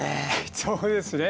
そうですね。